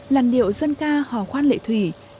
làn điệu dân ca hò khoan lệ thủy